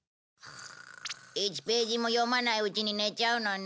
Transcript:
１ページも読まないうちに寝ちゃうのね。